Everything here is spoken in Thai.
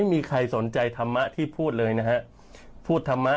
ไม่ซึมทราบเลยนะค่ะ